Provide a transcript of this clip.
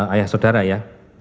ayah saudara ya